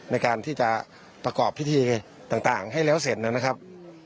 ในการที่จะประกอบพิธีต่างให้แล้วเสร็จนะครับ